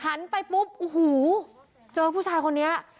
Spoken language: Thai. หันไปปุ๊บอู้หูที่เหลือผู้ชายคนนี้